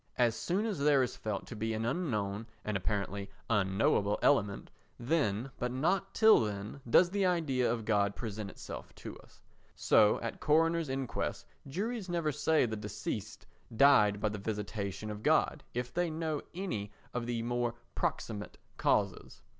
As soon as there is felt to be an unknown and apparently unknowable element, then, but not till then, does the idea God present itself to us. So at coroners' inquests juries never say the deceased died by the visitation of God if they know any of the more proximate causes.